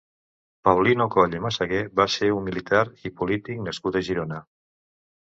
Paulino Coll i Massaguer va ser un militar i polític nascut a Girona.